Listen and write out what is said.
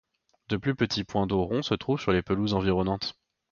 Deux plus petits poins d'eau ronds se trouvent sur les pelouses environnantes.